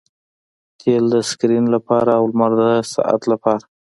تیل د سکرین لپاره او لمر د ساعت لپاره